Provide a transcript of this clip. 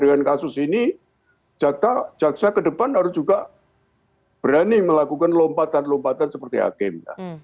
dengan kasus ini jaksa ke depan harus juga berani melakukan lompatan lompatan seperti hakim